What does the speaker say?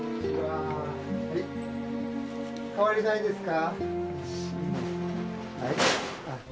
変わりないですか？